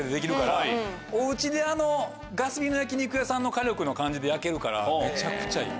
おうちであのガス火の焼き肉屋さんの火力の感じで焼けるからめちゃくちゃいい。